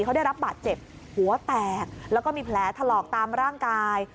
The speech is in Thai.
เขาได้รับบาดเจ็บหัวแตกแล้วก็มีแผลถลอกตามร่างกาย